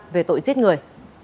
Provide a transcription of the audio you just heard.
về tội giết người